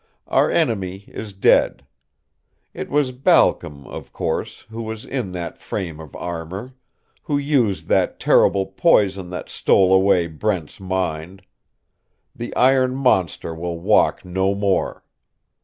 Our enemy is dead. It was Balcom, of course, who was in that frame of armor, who used that terrible poison that stole away Brent's mind. The iron monster will walk no more.